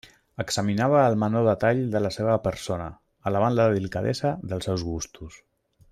Examinava el menor detall de la seua persona, alabant la delicadesa dels seus gustos.